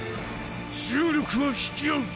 重力は引き合う！